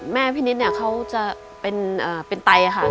แม่พี่นิดเขาจะเป็นไตค่ะ